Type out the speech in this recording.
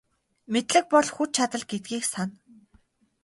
Мэдлэг бол хүч чадал гэдгийг сана.